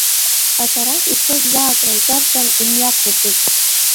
Аҵарахь ицоз заа акрырҿарҵан, имҩақәырҵеит.